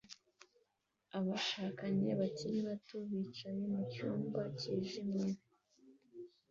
Abashakanye bakiri bato bicaye mucyumba cyijimye